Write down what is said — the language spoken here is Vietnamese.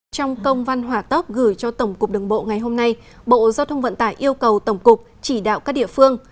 trong công văn hỏa tóp gửi cho tổng cục đường bộ ngày hôm nay bộ giao thông vận tải yêu cầu tổng cục chỉ đạo các địa phương